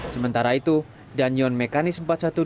sementara itu danion mekanis empat ratus dua belas